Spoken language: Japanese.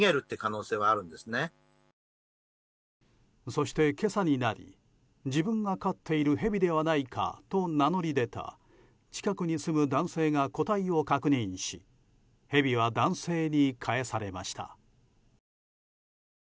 そして今朝になり、自分が飼っているヘビではないかと名乗り出た、近くに住む男性が個体を確認しヘビは男性に返されました。